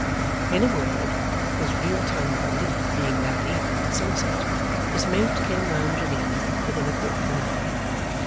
In a word, his real time of relief being that evening at sunset, his mate came lounging in, within a quarter of an hour.